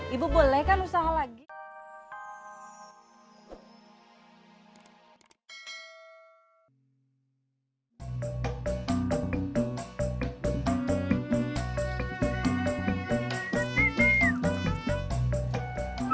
ibu boleh kan usaha lagi